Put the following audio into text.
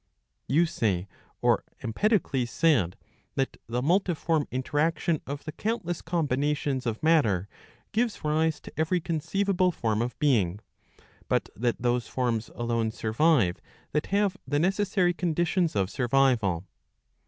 ^ You say, or Empedocles said, that the multiform interaction of the countless combinations of matter gives rise to every conceivable form of being ; but that those forms alone survive that have the necessary conditions of survival.'